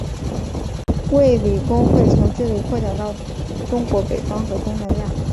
卫理公会从这里扩展到中国北方和东南亚。